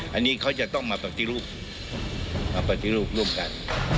อันนี้เขาจะต้องมาปฏิรูปมาปฏิรูปร่วมกัน